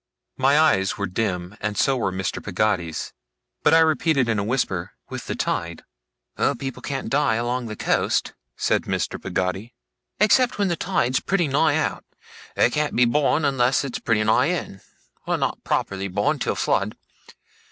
My eyes were dim and so were Mr. Peggotty's; but I repeated in a whisper, 'With the tide?' 'People can't die, along the coast,' said Mr. Peggotty, 'except when the tide's pretty nigh out. They can't be born, unless it's pretty nigh in not properly born, till flood.